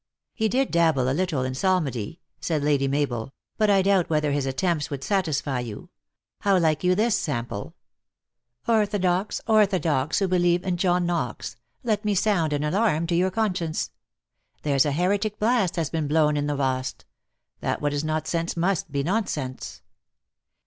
" He did dabble a little in psalmody," said Lady Mabel; "but I doubt whether his attempts would satisfy you. How like you this sample : Orthodox, orthodox, who believe in John Knox, Let me sound an alarm to your conscience; There s a heretic blast has been blown in the Wast, That what is not sense must be nonsense. THE ACTRESS IN HIGH LIFE.